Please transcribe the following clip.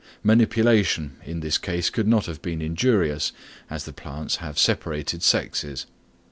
Manipulation in this case could not have been injurious, as the plants have separated sexes.